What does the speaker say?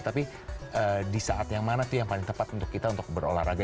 tapi di saat yang mana tuh yang paling tepat untuk kita untuk berolahraga